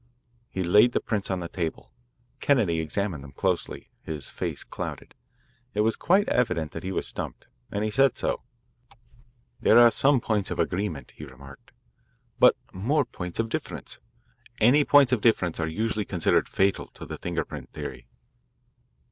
He laid the prints on the table. Kennedy examined them closely. His face clouded. It was quite evident that he was stumped, and he said so. "There are some points of agreement," he remarked, "but more points of difference. Any points of difference are usually considered fatal to the finger print theory.